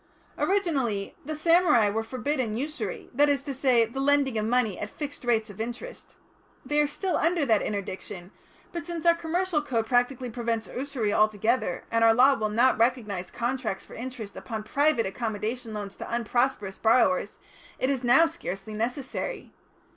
"Originally the samurai were forbidden usury, that is to say the lending of money at fixed rates of interest. They are still under that interdiction, but since our commercial code practically prevents usury altogether, and our law will not recognise contracts for interest upon private accommodation loans to unprosperous borrowers, it is now scarcely necessary.